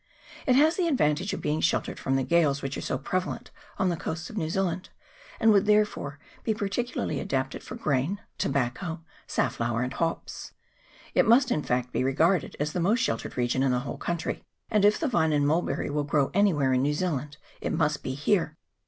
It has the advantage of being sheltered from the gales which are so preva lent on the coasts of New Zealand, and would therefore be particularly adapted for grain, tobacco, (safflower, and hops. It must, in fact, be regarded as the most sheltered region in the whole country ; and if the vine and mulberry will grow anywhere in New Zealand, it must be here.